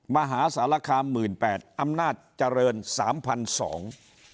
มหาสารคามหมื่นแปดอำนาจเจริญสามพันสอง